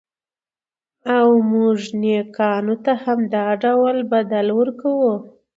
او موږ نېکانو ته همدا ډول بدل ورکوو.